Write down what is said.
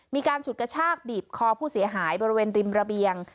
ฉุดกระชากบีบคอผู้เสียหายบริเวณริมระเบียง